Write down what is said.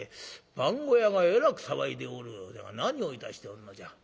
「番小屋がえらく騒いでおるようだが何をいたしておるのじゃ？